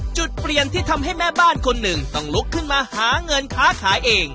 จุดเปลี่ยนที่ทำให้แม่บ้านคนหนึ่งต้องลุกขึ้นมาหาเงินค้าขายเอง